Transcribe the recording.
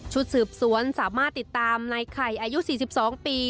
สืบสวนสามารถติดตามในไข่อายุ๔๒ปี